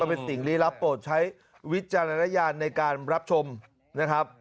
เป็นสิ่งลี้ลับโปรดใช้วิจารณญาณในการรับชมนะครับ